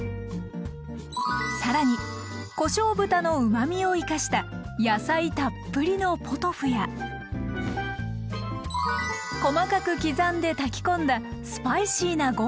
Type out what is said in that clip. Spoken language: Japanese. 更にこしょう豚のうまみを生かした野菜たっぷりのポトフや細かく刻んで炊き込んだスパイシーなご飯もつくります。